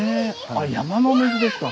あっ山の水ですか。